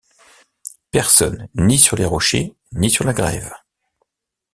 Personne, ni sur les rochers, ni sur la grève!